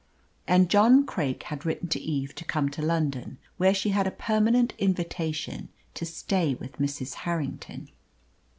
And John Craik had written to Eve to come to London, where she had a permanent invitation to stay with Mrs. Harrington.